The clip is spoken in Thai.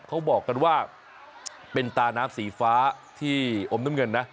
เขาบอกกันว่าเป็นตาน้ำสีฟ้าที่อมน้ำเงินนะ